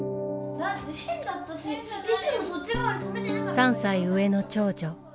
３歳上の長女。